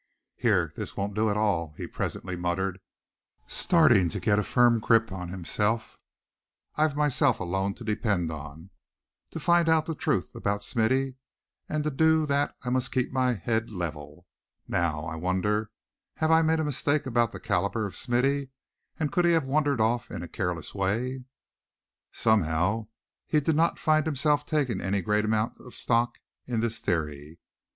"Here, this won't do at all," he presently muttered, starting to get a firm grip on himself; "I've myself alone to depend on, to find out the truth about Smithy, and to do that I must keep my head level. Now, I wonder have I made a mistake about the calibre of Smithy, and could he have wandered off in a careless way?" Somehow he did not find himself taking any great amount of stock in this theory.